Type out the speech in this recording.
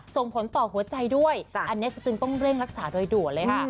ส่งผลต่อหัวใจด้วยอันนี้จึงต้องเร่งรักษาโดยด่วนเลยค่ะ